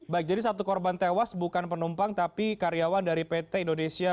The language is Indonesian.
baik jadi satu korban tewas bukan penumpang tapi karyawan dari pt indonesia